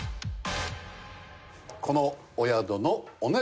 このお宿のお値段です。